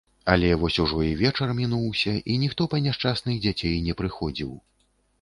Але вось ужо і вечар мінуўся, і ніхто па няшчасных дзяцей не прыходзіў